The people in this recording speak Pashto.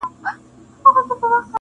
مطرب رباب د سُر او تال خوږې نغمې لټوم,